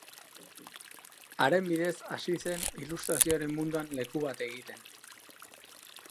Haren bidez hasi zen ilustrazioaren munduan leku bat egiten.